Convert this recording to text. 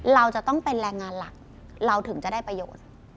เราจะต้องเป็นแรงงานหลักเราถึงจะได้ประโยชน์